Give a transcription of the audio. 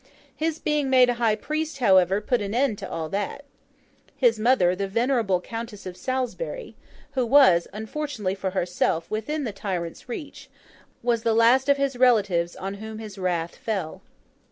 His being made a high priest, however, put an end to all that. His mother, the venerable Countess of Salisbury—who was, unfortunately for herself, within the tyrant's reach—was the last of his relatives on whom his wrath fell.